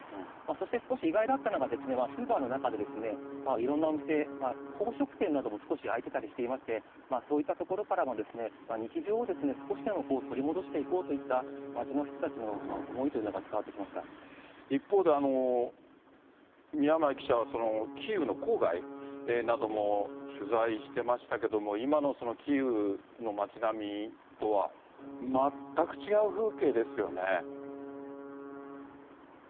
そして少し意外だったのは、スーパーの中でいろんなお店、宝飾店なども少し開いてたりしていまして、そういったところからも、日常を少しでも取り戻していこうといった街の人たちの思いという一方で、宮前記者はキーウの郊外なども取材していましたけれども、今のキーウの街並みとは全く違う風景ですよね。